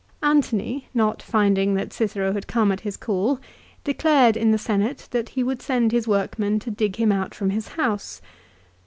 Antony, not finding that Cicero had come at his call, declared in the Senate that he would send his workmen to dig him out from his house.